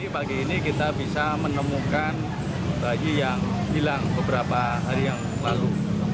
pagi ini kita bisa menemukan bayi yang hilang beberapa hari yang lalu